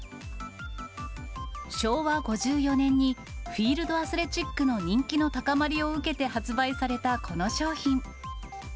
昭和５４年にフィールドアスレチックの人気の高まりを受けて発売されたこの商品。